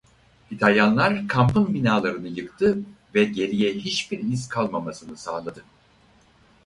İtalyanlar kampın binalarını yıktı ve geriye hiçbir iz kalmamasını sağladı.